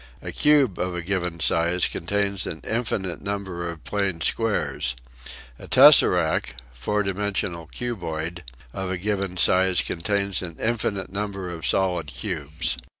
A cube of a given size contains an infinite number of plane squares. A tesseract (four dimensional cuboid) of a given size contains an infinite number of solid cubes.